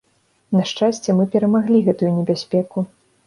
На шчасце, мы перамаглі гэтую небяспеку.